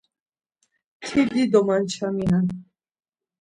Ti dido maçaminen.